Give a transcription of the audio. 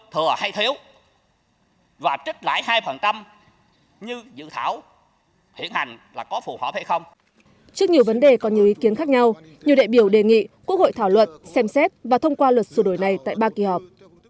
trước nhiều vấn đề có nhiều ý kiến khác nhau nhiều đại biểu đề nghị quốc hội thảo luận xem xét và thông qua luật sửa đổi này tại ba kỳ họp